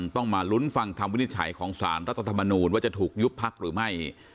ต้องมาลุ้นฟังคำวินิจฉัยของสารรัฐธรรมนูญว่าจะถูกยุบพักหรือไม่